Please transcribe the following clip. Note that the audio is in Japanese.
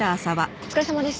お疲れさまです。